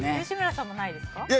吉村さんもないですか？